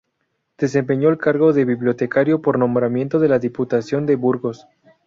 Desempeñó el cargo de bibliotecario por nombramiento de la Diputación de Burgos.